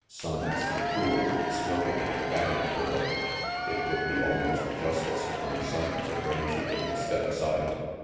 Sonnes, the fool, smirking at the bandit girl! It would be almost justice, upon Sonnes, if Rangy were to step aside.